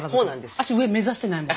私上目指してないもん。